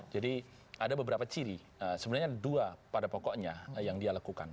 jadi ada beberapa ciri sebenarnya ada dua pada pokoknya yang dia lakukan